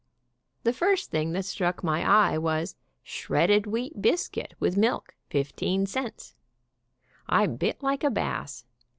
The first thing that struck my eye was "Shredded wheat biscuit, with milk, 15 cents." I bit like a bass.